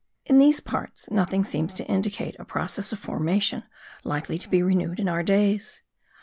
In these parts nothing seems to indicate a process of formation likely to be renewed in our days.